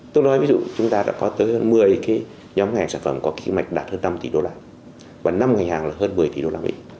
tôi nói ví dụ chúng ta đã có tới hơn một mươi nhóm ngành sản phẩm có kỹ mạch đạt hơn năm tỷ usd và năm ngành hàng là hơn một mươi tỷ usd